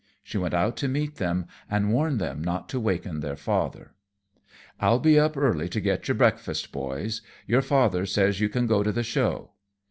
She went out to meet them and warn them not to waken their father. "I'll be up early to get your breakfast, boys. Your father says you can go to the show."